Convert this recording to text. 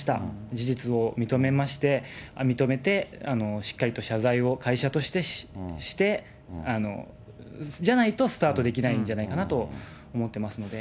事実を認めて、しっかりと謝罪を会社としてして、じゃないとスタートできないんじゃないかなと思ってますので。